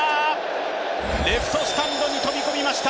レフトスタンドに飛び込ました。